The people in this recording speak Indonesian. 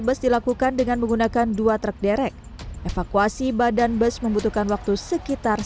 bus dilakukan dengan menggunakan dua truk derek evakuasi badan bus membutuhkan waktu sekitar